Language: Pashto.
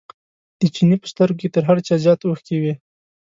د چیني په سترګو کې تر هر چا زیات اوښکې وې.